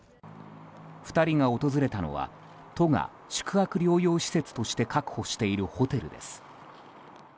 ２人が訪れたのは都が宿泊療養施設として確保しているホテルです。